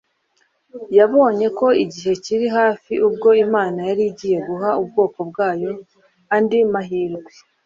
Yabonye ko igihe kiri hafi ubwo Imana yari igiye guha ubwoko bwayo andi mahirwe;